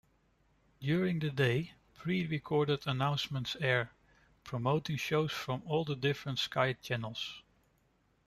During the day pre-recorded announcements air, promoting shows from all the different Sky channels.